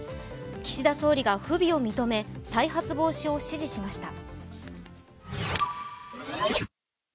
岸田総理が不備を認め、再発防止を指示しました。